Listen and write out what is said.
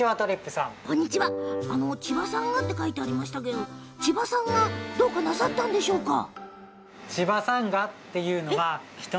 「千葉さんが」って書いてありましたけど千葉さんがどうかなさったんですか。